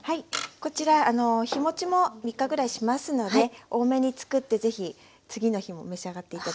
こちら日もちも３日ぐらいしますので多めに作って是非次の日も召し上がって頂きたいと思います。